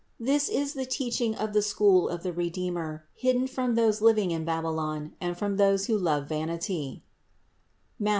This is the teaching of the school of the Redeemer, hidden from those living in Babylon and from those who love vanity (Matth.